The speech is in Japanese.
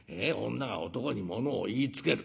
女が男にものを言いつける。